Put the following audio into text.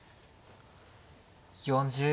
４０秒。